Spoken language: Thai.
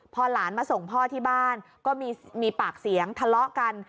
พอหลานมาส่งพ่อที่บ้านก็มีปากเสียงทะเลาะกัน